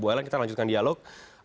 bu ellen kita lanjutkan dialog